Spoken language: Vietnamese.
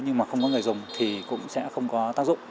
nhưng mà không có người dùng thì cũng sẽ không có tác dụng